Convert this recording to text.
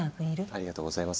ありがとうございます。